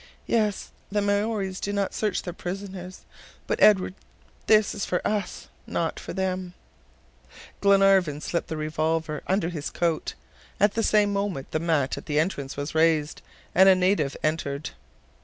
"Yes! the Maories do not search their prisoners. But, Edward, this is for us, not for them." Glenarvan slipped the revolver under his coat; at the same moment the mat at the entrance was raised, and a native entered.